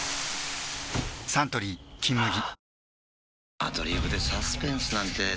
サントリー「金麦」